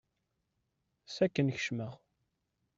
S akken kecmeɣ.